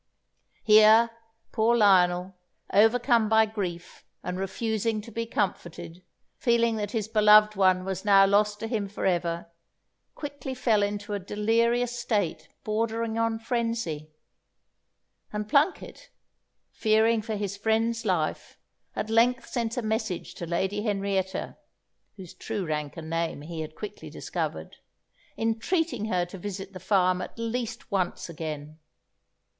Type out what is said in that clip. Here poor Lionel, overcome by grief and refusing to be comforted, feeling that his beloved one was now lost to him for ever, quickly fell into a delirious state bordering on frenzy, and Plunket, fearing for his friend's life, at length sent a message to Lady Henrietta (whose true rank and name he had quickly discovered), entreating her to visit the farm at least once again.